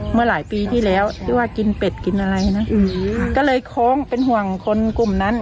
เมื่อหลายปีที่แล้วที่ว่ากินเป็ดกินอะไรนะอืมก็เลยโค้งเป็นห่วงคนกลุ่มนั้น